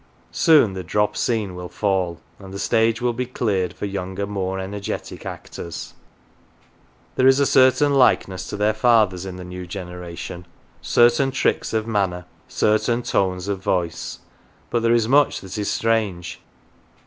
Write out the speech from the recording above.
Soon the drop scene will fall, and the stage will be cleared for younger, more energetic actors. There is a certain likeness to their fathers in the new generation : certain tricks of manner, certain tones of voice: but there is much that is strange.